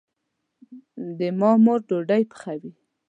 د ما مور ډوډي پخوي